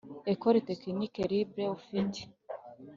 Ecole technique libre ufite